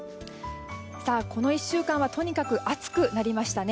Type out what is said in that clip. この１週間はとにかく暑くなりましたね。